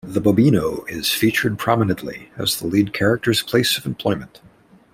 The Bobino is featured prominently as the lead character's place of employment.